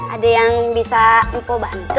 ada yang bisa mpobantu